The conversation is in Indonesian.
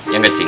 ya gak cing